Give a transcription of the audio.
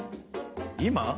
今？